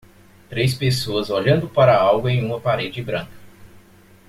Três pessoas olhando para algo em uma parede branca.